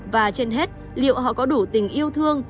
và trên hết liệu họ có đủ tình yêu thương